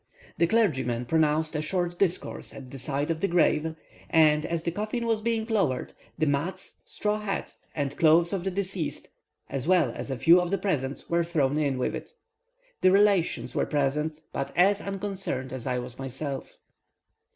The clergyman pronounced a short discourse at the side of the grave; and, as the coffin was being lowered, the mats, straw hat, and clothes of the deceased, as well as a few of the presents, were thrown in with it. The relations were present, but as unconcerned as I was myself.